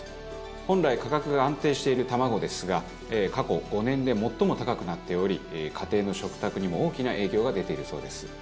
本来価格が安定している卵ですが過去５年で最も高くなっており家庭の食卓にも大きな影響が出ているそうです。